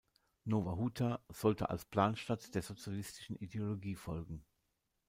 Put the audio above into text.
Nowa Huta sollte als Planstadt der sozialistischen Ideologie folgen.